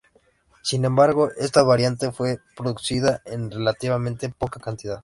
Sin embargo, esta variante fue producida en relativamente poca cantidad.